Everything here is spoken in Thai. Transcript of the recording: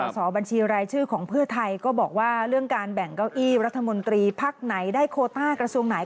สอบบัญชีรายชื่อของเพื่อไทยก็บอกว่าเรื่องการแบ่งเก้าอี้รัฐมนตรีพักไหนได้โคต้ากระทรวงไหน